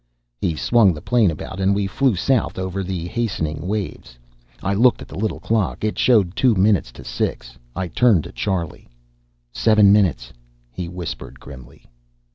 He swung the plane about and we flew south over the hastening waves. I looked at the little clock. It showed two minutes to six. I turned to Charlie. "Seven minutes!" he whispered grimly.